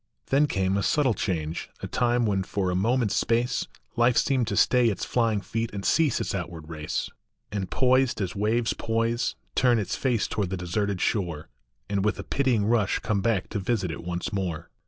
Then came a subtle change, a time when for a mo ment s space Life seemed to stay its flying feet and cease its outward race, And, poised as waves poise, turn its face toward the de serted shore, And with a pitying rush come back to visit it once more.